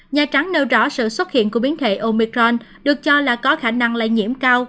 nhà trắng nêu rõ sự xuất hiện của biến thể omicron được cho là có khả năng lây nhiễm cao